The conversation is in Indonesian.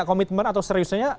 komitmen atau seriusnya